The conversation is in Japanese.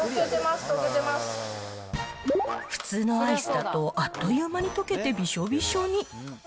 普通のアイスだと、あっという間に溶けてびしょびしょに。